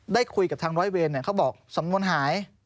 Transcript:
ได้คุยกับทางร้อยเวรเขาบอกสำนวนหาย